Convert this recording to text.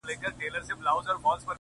• زه به د څو شېبو لپاره نور؛